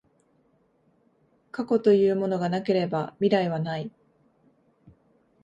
過去というものがなければ未来はない。